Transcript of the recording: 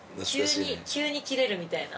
急にキレるみたいな。